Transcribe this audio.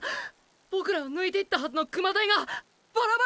ボクらを抜いていったはずの熊台がバラバラに！！